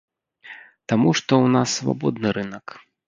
Таму што ў нас свабодны рынак.